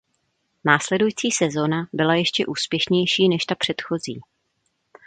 Následující sezóna byla ještě úspěšnější než ta předchozí.